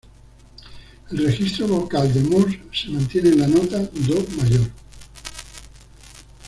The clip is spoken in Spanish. El registro vocal de Murs se mantiene en la nota "do" mayor.